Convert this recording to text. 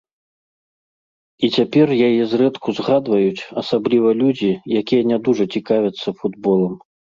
І цяпер яе зрэдку згадваюць, асабліва людзі, якія не дужа цікавяцца футболам.